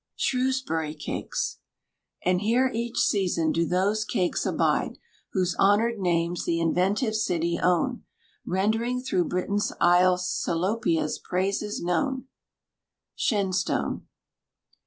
SHREWSBURY CAKES. And here each season do those cakes abide, Whose honored names the inventive city own, Rendering through Britain's isle Salopia's praises known. SHENSTONE.